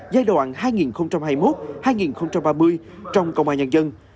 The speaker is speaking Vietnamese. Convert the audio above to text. giai đoạn hai nghìn hai mươi một hai nghìn ba mươi trong công an nhân dân